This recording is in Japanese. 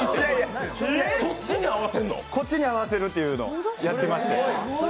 こっちに合わせるというのをやってまして。